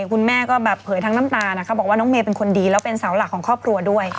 คุณแม่ก็แบบเผยทั้งน้ำตานะคะบอกว่าน้องเมย์เป็นคนดีแล้วเป็นเสาหลักของครอบครัวด้วย